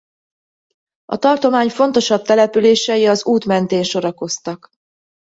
A tartomány fontosabb települései az út mentén sorakoztak.